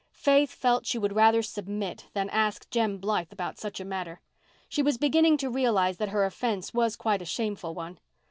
Faith felt she would rather submit then ask Jem Blythe about such a matter. She was beginning to realize that her offence was a quite shameful one.